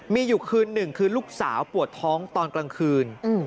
มีอยู่คืนหนึ่งคือลูกสาวปวดท้องตอนกลางคืน